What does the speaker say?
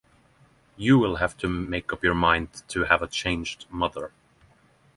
You will have to make up your mind to have a changed mother.